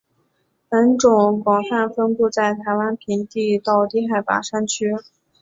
本种广泛分布在台湾平地到低海拔山区。